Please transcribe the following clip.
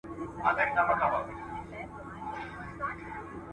تر دې ډنډه یو کشپ وو هم راغلی ..